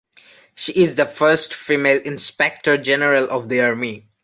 She is the first female Inspector General of the Army.